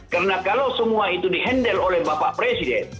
karena kalau semua itu di handle oleh bapak presiden